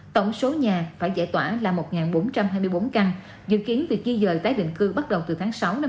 tổng số nhà phải giải tỏa là một bốn trăm hai mươi bốn căn dự kiến việc di dời tái định cư bắt đầu từ tháng sáu năm hai nghìn hai mươi